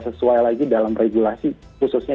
sesuai lagi dalam regulasi khususnya